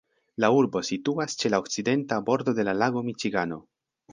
La urbo situas ĉe la okcidenta bordo de la lago Miĉigano.